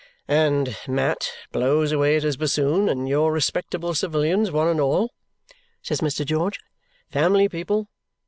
"And Mat blows away at his bassoon, and you're respectable civilians one and all," says Mr. George. "Family people.